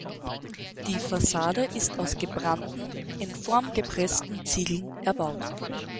Die Fassade ist aus gebrannten, in Form gepressten Ziegeln erbaut.